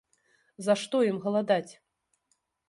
За што ім галадаць?